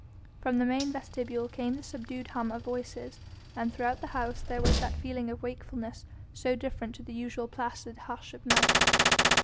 From the main vestibule came the subdued hum of voices, and throughout the house there was that feeling of wakefulness so different to the usual placid hush of night.